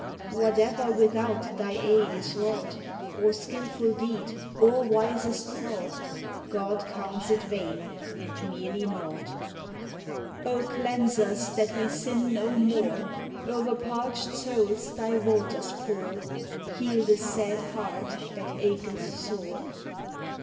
Whate'er without thy aid is wrought, Or skilful deed, or wisest thought, God counts it vain and merely naught. O cleanse us that we sin no more. O'er parched souls thy waters pour; Heal the sad heart that acheth sore.